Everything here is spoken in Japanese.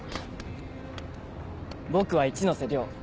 僕は一ノ瀬稜。